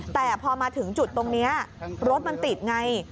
แต่พอมาถึงจุดตรงนี้รถมันติดไง